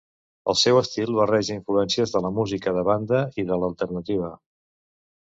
El seu estil barreja influències de la música de banda i de l'alternativa.